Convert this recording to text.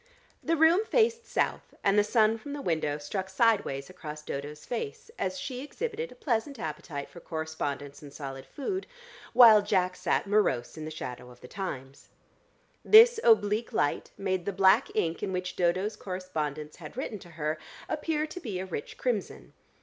The room faced south, and the sun from the window struck sideways across Dodo's face, as she exhibited a pleasant appetite for correspondence and solid food, while Jack sat morose in the shadow of the Times. This oblique light made the black ink in which Dodo's correspondents had written to her appear to be a rich crimson.